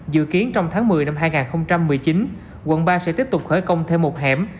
dự kiến trong tháng một mươi năm hai nghìn một mươi chín quận ba sẽ tiếp tục khởi công thêm một hẻm